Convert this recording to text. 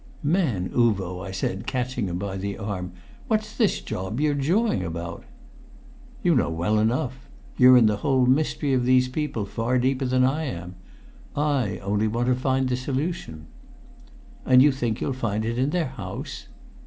"Man Uvo," I said, catching him by the arm, "what's this job you're jawing about?" "You know well enough. You're in the whole mystery of these people far deeper than I am. I only want to find the solution." "And you think you'll find it in their house?"